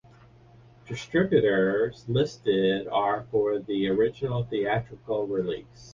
Distributors listed are for the original theatrical release.